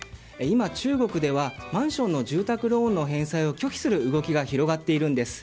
今、中国ではマンションの住宅ローンの返済を拒否する動きが広がっているんです。